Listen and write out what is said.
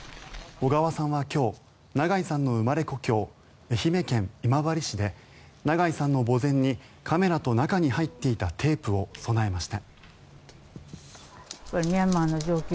小川さんは今日長井さんの生まれ故郷愛媛県今治市で長井さんの墓前にカメラと中に入っていたテープを供えました。